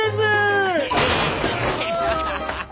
アハハハ！